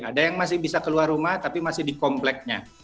ada yang masih bisa keluar rumah tapi masih di kompleknya